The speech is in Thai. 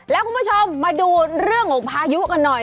แล้วคุณผู้ชมมาดูเรื่องของพายุกันหน่อย